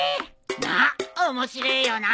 なっ面白えよな。